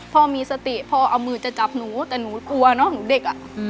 พ่อมีสติพ่อเอามือจะจับหนูแต่หนูกลัวเนอะหนูเด็กอ่ะ